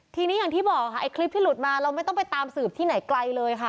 ทีนี้อย่างที่บอกค่ะไอ้คลิปที่หลุดมาเราไม่ต้องไปตามสืบที่ไหนไกลเลยค่ะ